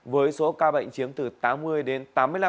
với số ca bệnh chiếm từ tám mươi đến tám mươi năm